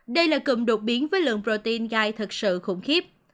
đây là cụm đột biến với lượng protein gai thật sự khủng khiếp